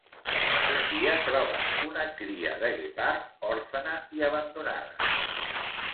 Un dia troben una cria de guepard òrfena i abandonada.